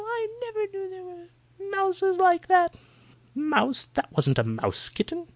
I never knew there were mouses like that!" "Mouse! That wasn't a mouse, kitten!